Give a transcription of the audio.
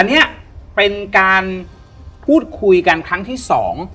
อันนี้เป็นการพูดคุยกันครั้งที่สอง